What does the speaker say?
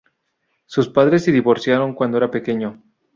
Sus padres se divorciaron cuando era pequeño.